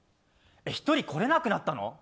１人来れなくなったの。